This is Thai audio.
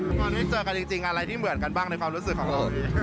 ตอนที่เจอกันจริงอะไรที่เหมือนกันบ้างในความรู้สึกของเรา